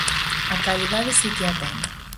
A calidade si que a ten.